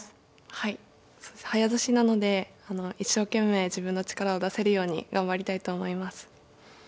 はい早指しなので一生懸命自分の力を出せるように頑張りたいと思います。